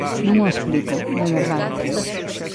Non o explico, de verdade.